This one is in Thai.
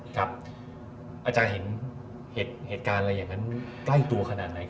อาจารย์เห็นเหตุการณ์อะไรอย่างนั้นใกล้ตัวขนาดไหน